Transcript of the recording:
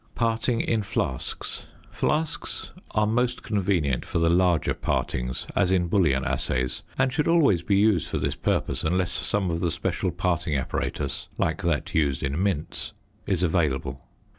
Parting in Flasks. Flasks are most convenient for the larger partings, as in bullion assays; and should always be used for this purpose unless some of the special parting apparatus, like that used in Mints, is available.